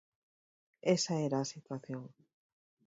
Esa era a situación.